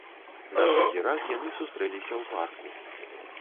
На другі раз яны сустрэліся ў парку.